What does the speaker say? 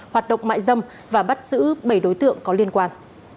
hoạt động mại dâm và bắt giữ bảy đối tượng có liên quan